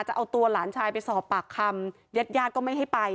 จะเอาตัวหลานชายไปสอบปากคำญาติญาติก็ไม่ให้ไป